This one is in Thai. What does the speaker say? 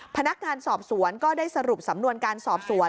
พนักงานสอบสวนก็ได้สรุปสำนวนการสอบสวน